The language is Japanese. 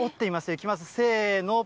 いきます、せーの。